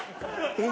えっ？